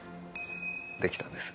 できたんです。